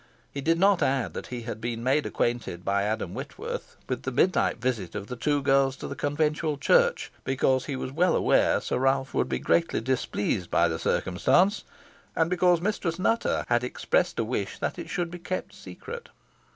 He did not add, that he had been made acquainted by Adam Whitworth with the midnight visit of the two girls to the conventual church, because he was well aware Sir Ralph would be greatly displeased by the circumstance, and because Mistress Nutter had expressed a wish that it should be kept secret.